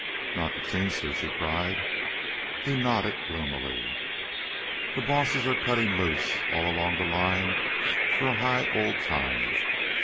"Not the teamsters?" she cried. He nodded gloomily. "The bosses are cuttin' loose all along the line for a high old time.